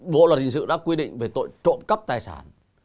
bộ luật hình sự đã quyết định về tội trộm cấp tài sản